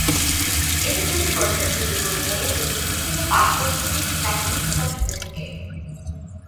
এতে প্রতিবছর দুটি বইয়ের যায়গায় প্রতি তিন থেকে পাঁচ বছরের একটি কাহিনী প্রকাশ হতে থাকে।